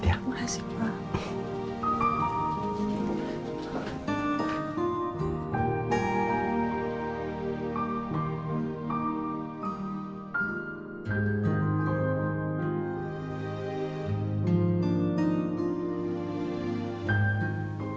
terima kasih pak